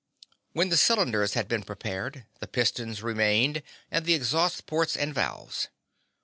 When the cylinders had been prepared, the pistons remained, and the exhaust ports and valves.